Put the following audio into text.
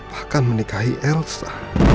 bahkan menikahi elsa